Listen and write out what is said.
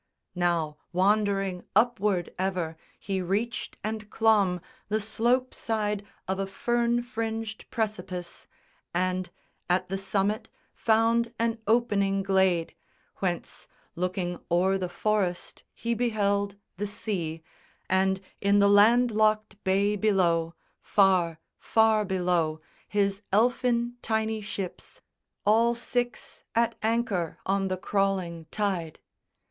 Now, wandering upward ever, he reached and clomb The slope side of a fern fringed precipice, And, at the summit, found an opening glade, Whence, looking o'er the forest, he beheld The sea; and, in the land locked bay below, Far, far below, his elfin tiny ships, All six at anchor on the crawling tide!